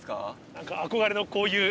何か憧れのこういう。